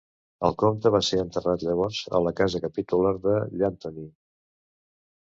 El comte va ser enterrat llavors a la casa capitular de Llanthony.